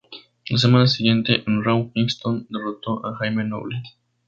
La semana siguiente en Raw, Kingston derrotó a Jamie Noble.